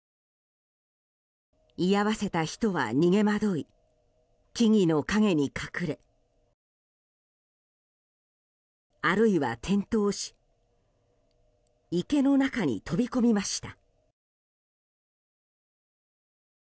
居合わせた人は逃げまどい木々の陰に隠れあるいは転倒し池の中に飛び込みました。